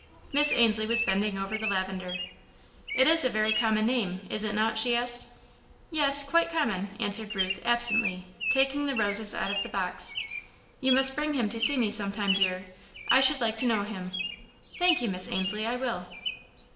Miss Ainslie was bending over the lavender. "It is a very common name, is it not?" she asked. "Yes, quite common," answered Ruth, absently, taking the roses out of the box. "You must bring him to see me some time, dear; I should like to know him." "Thank you, Miss Ainslie, I will."